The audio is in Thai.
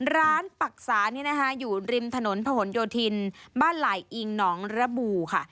ปรักษานี่นะคะอยู่ริมถนนผนโยธินบ้านหลายอิงหนองระบูค่ะ